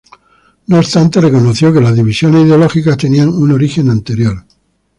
No obstante, reconoció que las divisiones ideológicas tenían un origen anterior.